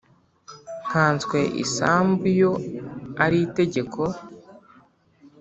nkanswe isambu yo ari itegeko